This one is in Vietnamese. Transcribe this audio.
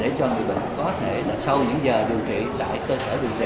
để cho người bệnh có thể là sau những giờ điều trị tại cơ sở điều trị